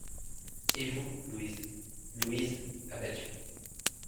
Et vous, Louise ? LOUISE, abattue.